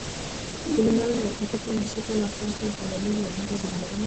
Kulingana na utafiti inashika nafasi ya themanini na moja duniani